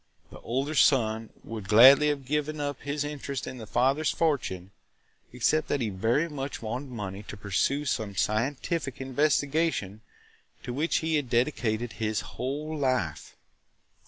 The older son would gladly have given up his interest in his father's fortune, except that he very much wanted money to pursue some scientific investigation to which he had dedicated his whole life.